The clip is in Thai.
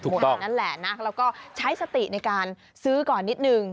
อย่างนั้นแหละนะแล้วก็ใช้สติในการซื้อก่อนนิดนึง